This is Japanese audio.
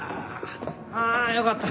あよかった。